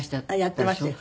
やっていましたよ。